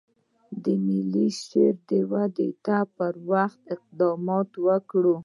د ملي شعور ودې ته پر وخت اقدامات وکړي.